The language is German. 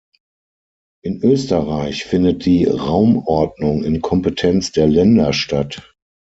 In Österreich findet die Raumordnung in Kompetenz der Länder statt.